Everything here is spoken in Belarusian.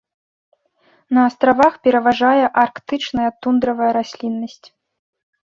На астравах пераважае арктычная тундравая расліннасць.